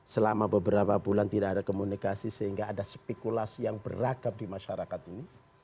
selama beberapa bulan tidak ada komunikasi sehingga ada spekulasi yang beragam di masyarakat ini